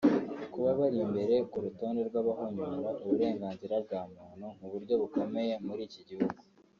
kuba bari imbere ku rutonde rw’abahonyora uburenganzira bwa muntu mu buryo bukomeye muri iki gihugu